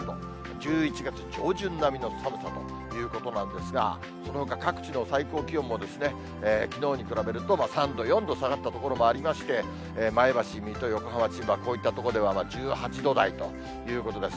１１月上旬並みの寒さだということなんですが、このほか各地の最高気温も、きのうに比べると３度、４度下がった所もありまして、前橋、水戸、横浜、千葉、こういった所では１８度台ということです。